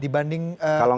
dibanding tahun lalu